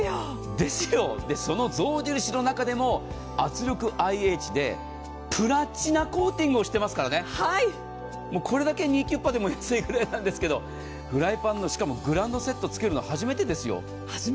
その象印の中でも圧力ＩＨでプラチナコーティングをしていますからね、これだけニッキュッパでも安いくらいなんですけど、フライパンのしかもグランドセットをつけるのは初めてですよ。